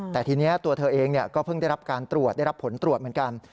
แต่ทีนี้ตัวเธอเองก็เพิ่งได้รับการตรวจได้รับผลตรวจเหมือนกัน